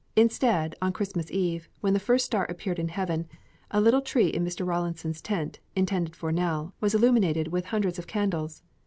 Instead, on Christmas Eve, when the first star appeared in heaven, a little tree in Mr. Rawlinson's tent, intended for Nell, was illuminated with hundreds of candles.